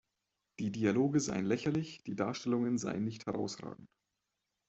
Die Dialoge seien lächerlich, die Darstellungen seien nicht herausragend.